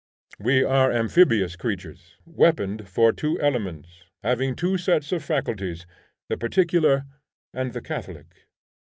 We are amphibious creatures, weaponed for two elements, having two sets of faculties, the particular and the catholic.